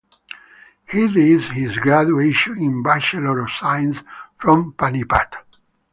He did his graduation in Bachelor of Science from Panipat.